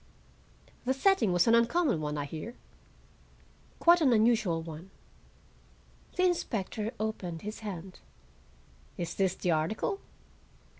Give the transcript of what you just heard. "The setting was an uncommon one, I hear." "Quite an unusual one." The inspector opened his hand. "Is this the article?"